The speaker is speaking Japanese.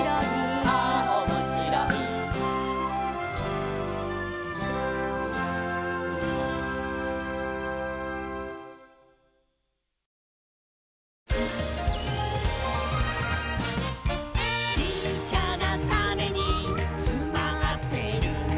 「ああおもしろい」「ちっちゃなタネにつまってるんだ」